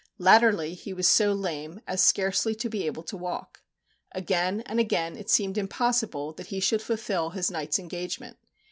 Latterly he was so lame, as scarcely to be able to walk. Again and again it seemed impossible that he should fulfil his night's engagement.